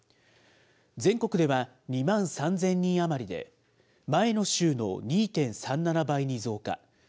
全国では２万３０００人余りで、前の週の２．３７倍に増加。